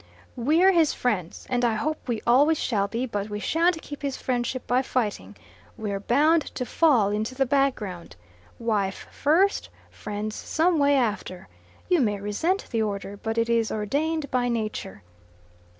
"We're his friends, and I hope we always shall be, but we shan't keep his friendship by fighting. We're bound to fall into the background. Wife first, friends some way after. You may resent the order, but it is ordained by nature."